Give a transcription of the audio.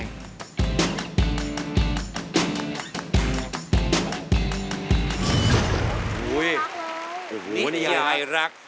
อุ๊ยนี่ไอลักษณ์ครับอุ๊ยนี่ไอลักษณ์ครับอุ๊ยนี่ไอลักษณ์ครับ